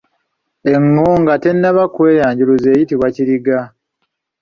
Eŋŋo nga tennaba kweyanjuluza eyitibwa Kiriga.